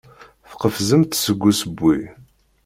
Tqefzemt deg usewwi.